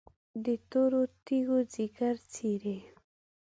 د تورو تیږو ځیګر څیري،